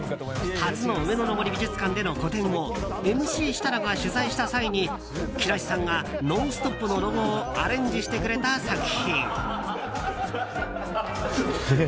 初の上野の森美術館での個展をＭＣ設楽が取材した際に木梨さんが「ノンストップ！」のロゴをアレンジしてくれた作品。